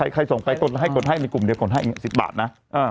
กูให้กุมเดียวกดให้อีก๑๐บาทนะ